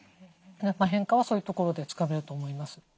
変化はそういうところでつかめると思います。